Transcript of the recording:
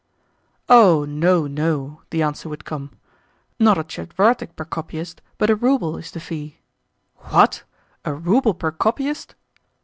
"Oh, no, no," the answer would come. "Not a tchetvertak per copyist, but a rouble, is the fee." "What? A rouble per copyist?"